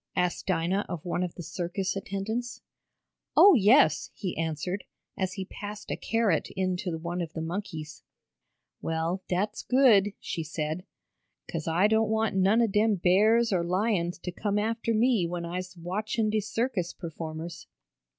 asked Dinah of one of the circus attendants. "Oh, yes," he answered, as he passed a carrot in to one of the monkeys. "Well, dat's good," she said. "'Cause I doan't want none ob dem bears or lions t' come after me when I'se watchin' de circus performers."